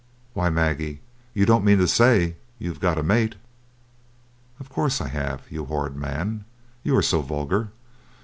"Why, Maggie, you don't mean to say you have got a mate?" "Of course I have, you horrid man, you are so vulgar.